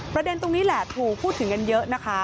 ประเด็นตรงนี้แหละถูกพูดถึงกันเยอะนะคะ